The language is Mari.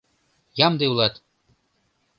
Ямде улат!